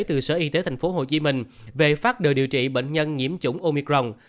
từ sở y tế tp hcm về phát đồ điều trị bệnh nhân nhiễm chủng omicron